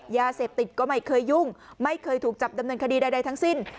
ยาเสพติดก็ไม่เคยยุ่งไม่เคยถูกจับดำเนินคดีใดทั้งสิ้น